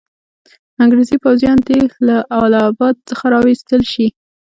انګریزي پوځیان دي له اله اباد څخه را وایستل شي.